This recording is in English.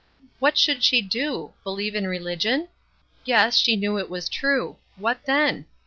What should she do? Believe in religion? Yes. She knew it was true. What then?